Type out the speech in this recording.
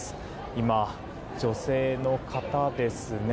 今、女性の方ですね